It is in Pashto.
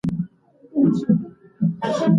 سوي دي. د مليتونو د کمزوري کولو او تفرقه اچولو پر ځای،